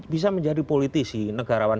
bisa menjadi politisi negarawan